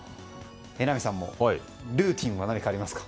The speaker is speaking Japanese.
榎並さんもルーティンは何かありますか？